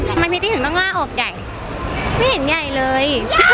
มันไม่มีที่ถึงต้องว่าโอ๊คใหญ่ไม่เห็นใหญ่เลย